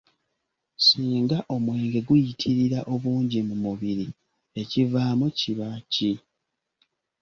"Singa omwenge guyitirira obungi mu mubiri, ekivaamu kiba ki?"